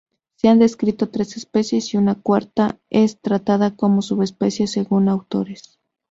Se han descrito tres especies y una cuarta es tratada como subespecie según autores.